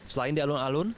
selain di alun alun